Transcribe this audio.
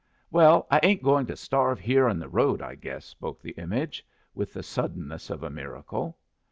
"Well, I ain't going to starve here in the road, I guess," spoke the image, with the suddenness of a miracle.